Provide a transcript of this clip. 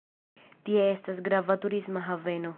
Tie estas grava turisma haveno.